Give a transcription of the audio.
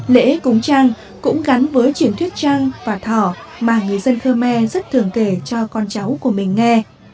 lễ cúng trăng cũng gắn với truyền thuyết trăng và thỏ mà người dân khmer rất thường kể cho con cháu của mình nghe